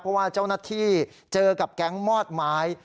เพราะว่าเจ้าหน้าที่เจอกับแก๊งมอดไม้